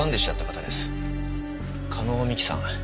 加納美樹さん。